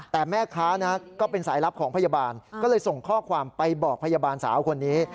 แต่แม่ค้าก็เป็นสายลับของพยาบาลก็เลยส่งข้อความไปบอกพยาบาลสาวคนนี้